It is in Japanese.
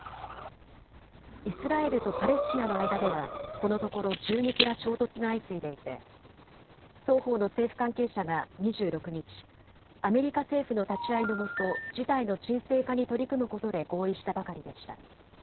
イスラエルとパレスチナの間ではこのところ銃撃や衝突が相次いでいて双方の政府関係者が２６日、アメリカ政府の立ち会いのもと事態の沈静化に取り組むことで合意したばかりでした。